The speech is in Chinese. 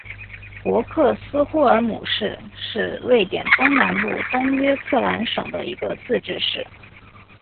博克斯霍尔姆市是瑞典东南部东约特兰省的一个自治市。